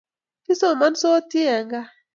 kisomansoti eng' gaa